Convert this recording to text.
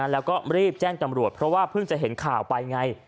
แล้วก็รีบแจ้งตำรวจเพราะว่าเพิ่งจะเห็นข่าวไปไง